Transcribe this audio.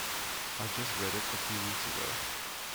I just read it a few weeks ago.